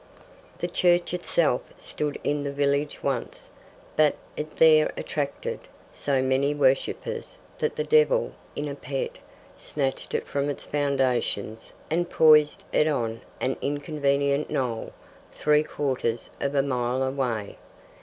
The church itself stood in the village once. But it there attracted so many worshippers that the devil, in a pet, snatched it from its foundations, and poised it on an inconvenient knoll, three quarters of a mile away.